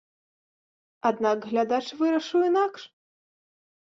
Аднак глядач вырашыў інакш.